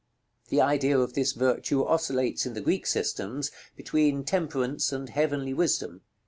The idea of this virtue oscillates, in the Greek systems, between Temperance and Heavenly Wisdom.